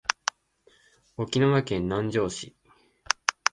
沖縄県南城市